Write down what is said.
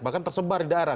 bahkan tersebar di daerah